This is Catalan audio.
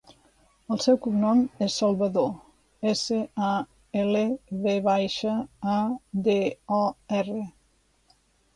El seu cognom és Salvador: essa, a, ela, ve baixa, a, de, o, erra.